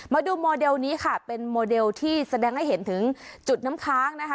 มาดูโมเดลนี้ค่ะเป็นโมเดลที่แสดงให้เห็นถึงจุดน้ำค้างนะคะ